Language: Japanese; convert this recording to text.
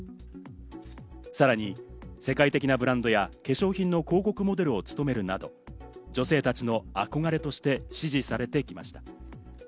さらに世界的なブランドや化粧品の広告モデルを務めるなど、女性たちの憧れとして支持されてきました。